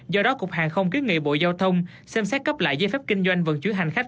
do đó cục hàng không kiến nghị bộ giao thông xem xét cấp lại giấy phép kinh doanh vận chuyển hành khách